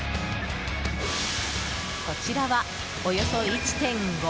こちらは、およそ１．５ｋｇ！